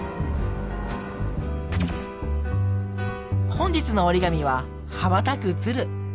本日の折り紙は羽ばたく鶴。